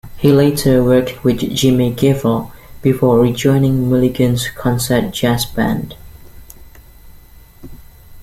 He later worked with Jimmy Giuffre, before rejoining Mulligan's Concert Jazz Band.